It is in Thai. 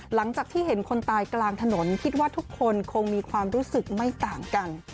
หลังจากที่เห็นคนตายกลางถนนคิดว่าทุกคนคงมีความรู้สึกไม่ต่างกัน